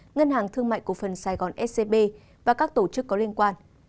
ngân hàng thương mại cổ phần sài gòn scb và các tổ chức có liên quan